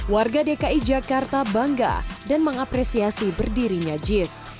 warga dki jakarta bangga dan mengapresiasi berdirinya jis